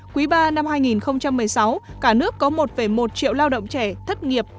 quý ba năm hai nghìn một mươi sáu cả nước có một một triệu lao động trẻ thất nghiệp